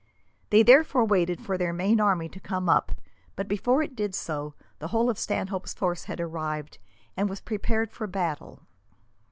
They therefore waited for their main army to come up, but before it did so, the whole of Stanhope's force had arrived, and was prepared for battle.